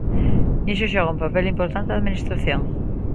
Niso xoga un papel importante a administración.